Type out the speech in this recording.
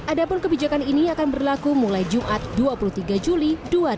adapun kebijakan ini akan berlaku mulai jumat dua puluh tiga juli dua ribu dua puluh